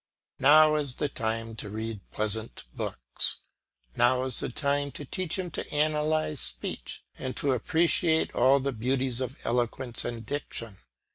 Now is the time to read pleasant books; now is the time to teach him to analyse speech and to appreciate all the beauties of eloquence and diction.